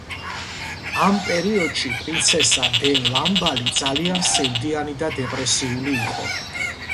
ამ პერიოდში, პრინცესა დე ლამბალი ძალიან სევდიანი და დეპრესიული იყო.